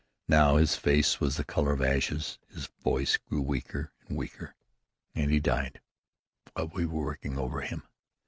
Now his face was the color of ashes, his voice grew weaker and weaker, and he died while we were working over him.